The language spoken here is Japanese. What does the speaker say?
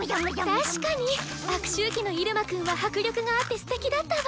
確かに悪周期のイルマくんは迫力があってすてきだったわ。